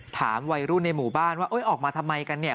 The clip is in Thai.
ถามวัยรุ่นในหมู่บ้านว่าออกมาทำไมกันเนี่ย